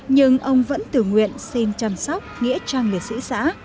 nhưng ông vẫn tự nguyện xin chăm sóc nghĩa trang liệt sĩ xã